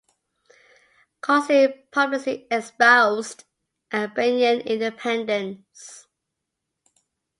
Cozzi publicly espoused Albanian independence.